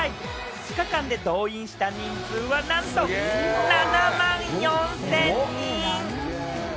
２日間で動員した人数は、なんと７万４０００人！